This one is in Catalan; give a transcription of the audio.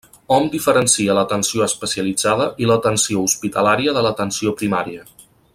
Hom diferencia l'atenció especialitzada i l'atenció hospitalària de l'atenció primària.